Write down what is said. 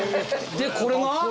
でこれが？